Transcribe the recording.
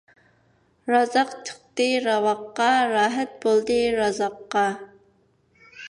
رازاق چىقتى راۋاققا، راھەت بولدى رازاققا.